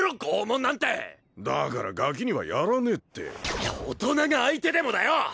拷問なんてだからガキにはやらねえって大人が相手でもだよ！